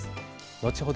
後ほど